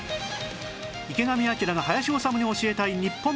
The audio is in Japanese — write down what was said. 池上彰が林修に教えたい日本の今